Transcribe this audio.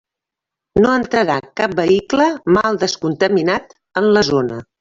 No entrarà cap vehicle mal descontaminat en la zona.